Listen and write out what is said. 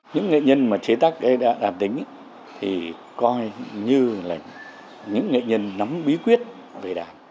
những nghệ nhân mà chế tác đàn tính thì coi như là những nghệ nhân nắm bí quyết về đảng